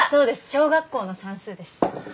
小学校の算数です。